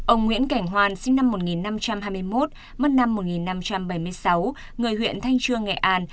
ông nguyễn cảnh hoàn sinh năm một nghìn năm trăm hai mươi một mất năm một nghìn năm trăm bảy mươi sáu người huyện thanh trương nghệ an